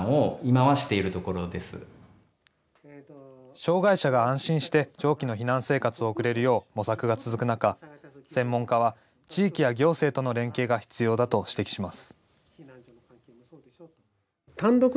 障害者が安心して長期の避難生活を送れるよう模索が続く中、専門家は地域や行政との連携が必要だと指摘します。